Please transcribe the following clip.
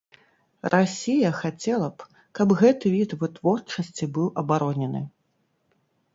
Расія хацела б, каб гэты від вытворчасці быў абаронены.